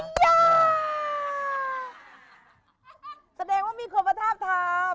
แสดงว่ามีความพระทราบทาง